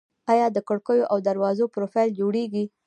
آیا د کړکیو او دروازو پروفیل جوړیږي؟